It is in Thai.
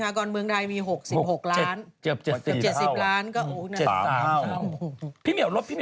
อุ๊ยกล้องหน้าเหรอ